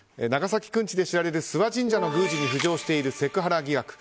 長崎くんちで知られる諏訪神社の宮司に言われているセクハラ疑惑。